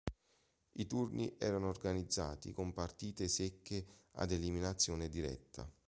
I turni erano organizzati con partite secche ad eliminazione diretta.